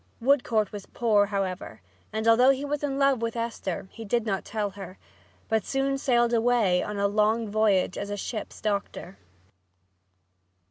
Woodcourt was poor, however, and although he was in love with Esther he did not tell her, but soon sailed away on a long voyage as a ship's doctor.